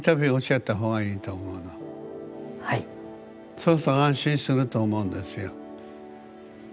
そうすると安心すると思うんですよ。